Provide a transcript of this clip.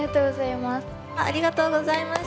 ありがとうございます。